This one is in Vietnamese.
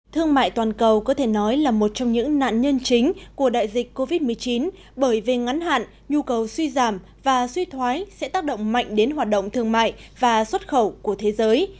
thương mại toàn cầu có thể nói là một trong những nạn nhân chính của đại dịch covid một mươi chín bởi về ngắn hạn nhu cầu suy giảm và suy thoái sẽ tác động mạnh đến hoạt động thương mại và xuất khẩu của thế giới